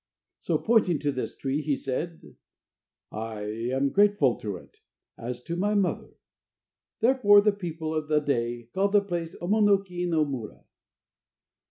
So pointing to this tree, he said: "I am grateful to it, as to my mother." Therefore the people of the day called that place Omo no ki no Mura.